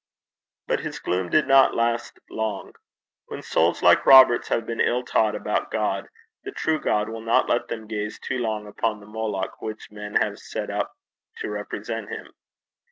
But this gloom did not last long. When souls like Robert's have been ill taught about God, the true God will not let them gaze too long upon the Moloch which men have set up to represent him.